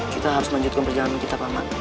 kita harus melanjutkan perjalanan kita pak man